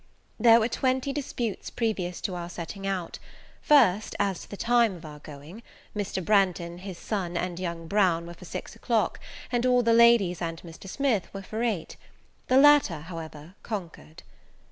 There were twenty disputes previous to our setting out; first, as to the time of our going: Mr. Branghton, his son, and young Brown, were for six o'clock; and all the ladies and Mr. Smith were for eight; the latter, however, conquered.